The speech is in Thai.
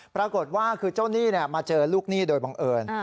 ปรากฏว่าคือเจ้าหนี้มาเจอลูกหนี้โดยบังเอิญ